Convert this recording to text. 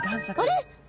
あれ？